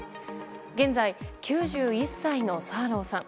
現在、９１歳のサーローさん。